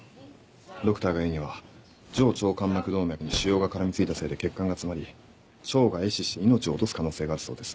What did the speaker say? ドクターが言うには上腸間膜動脈に腫瘍が絡み付いたせいで血管が詰まり腸が壊死し命を落とす可能性があるそうです。